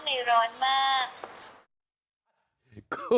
ใครก็ได้ช่วยด้วย